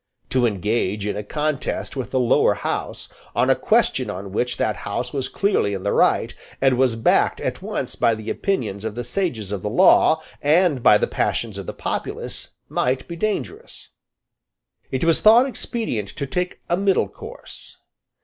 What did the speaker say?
To engage in a contest with the Lower House, on a question on which that House was clearly in the right, and was backed at once by the opinions of the sages of the law, and by the passions of the populace, might be dangerous. It was thought expedient to take a middle course.